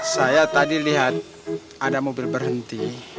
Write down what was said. saya tadi lihat ada mobil berhenti